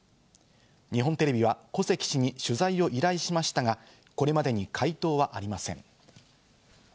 日本テレビは古関氏に取材を依頼しましたが、これまでに回答はありません。